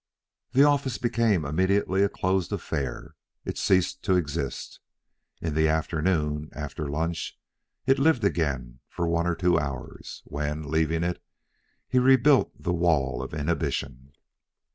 The office became immediately a closed affair. It ceased to exist. In the afternoon, after lunch, it lived again for one or two hours, when, leaving it, he rebuilt the wall of inhibition.